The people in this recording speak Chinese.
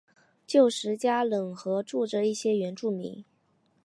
旧时加冷河住着一些原住民。